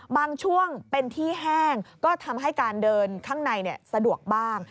บางช่วงเป็นที่แห้งก็ทำให้การเดินข้างในสะดวกบ้าง